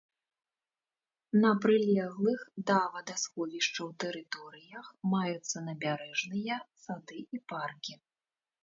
На прылеглых да вадасховішчаў тэрыторыях маюцца набярэжныя, сады і паркі.